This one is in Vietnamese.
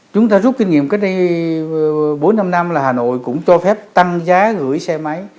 chúng ta rút kinh nghiệm cách đây bốn năm năm là hà nội cũng cho phép tăng giá gửi xe máy